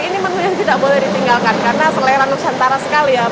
ini menu yang tidak boleh ditinggalkan karena selera nusantara sekali ya